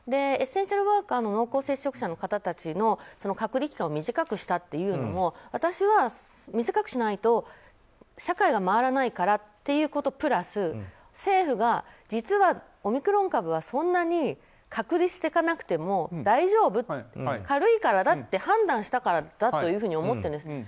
エッセンシャルワーカーの濃厚接触者の方たちの隔離期間を短くしたというのも私は、短くしないと社会が回らないからということプラス政府が実はオミクロン株はそんなに隔離していかなくても大丈夫、軽いからだと判断したからだと思っているんです。